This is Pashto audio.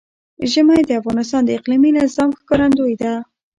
ژمی د افغانستان د اقلیمي نظام ښکارندوی ده.